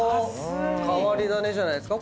変わり種じゃないですか？